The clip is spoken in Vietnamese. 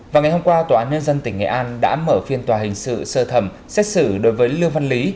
vào ngày hôm qua tòa án nhân dân tỉnh nghệ an đã mở phiên tòa hình sự sơ thẩm xét xử đối với lưu văn lý